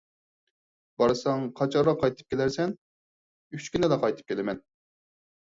− بارساڭ قاچانراق قايتىپ كېلەرسەن؟ − ئۈچ كۈندىلا قايتىپ كېلىمەن.